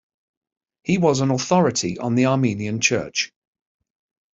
He was an authority on the Armenian Church.